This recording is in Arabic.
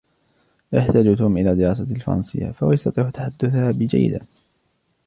لا يحتاج توم إلى دراسة الفرنسية ، فهو يستطيع تحدثها جيدا.